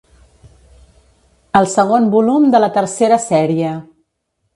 El segon volum de la tercera sèrie.